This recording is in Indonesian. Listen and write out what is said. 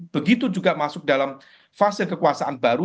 begitu juga masuk dalam fase kekuasaan baru